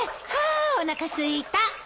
はあおなかすいた。